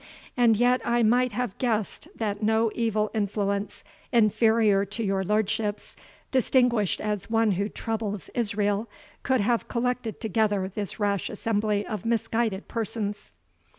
and yet I might have guessed that no evil influence inferior to your lordship's, distinguished as one who troubles Israel, could have collected together this rash assembly of misguided persons."